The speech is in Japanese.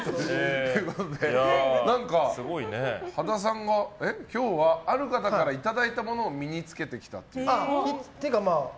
何か羽田さんが今日はある方からいただいたものを身に着けてきたと。